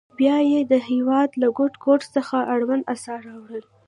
بیا یې د هېواد له ګوټ ګوټ څخه اړوند اثار راوړل.